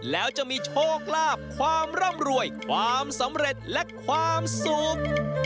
แล้วจะมีโชคลาภความร่ำรวยความสำเร็จและความสุข